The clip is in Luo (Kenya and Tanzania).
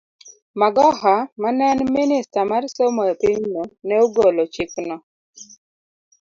Magoha, ma ne en Minista mar somo e pinyno, ne ogolo chikno.